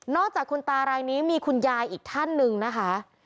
จากคุณตารายนี้มีคุณยายอีกท่านหนึ่งนะคะ